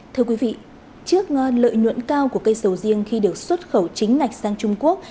thưa quý vị trước lợi nhuận cao của cây sầu riêng khi được xuất khẩu chính ngạch sang trung quốc